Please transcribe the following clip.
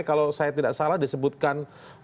kalau saya tidak salah disebutkan